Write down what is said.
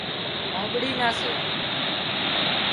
آنٻڙي نان سي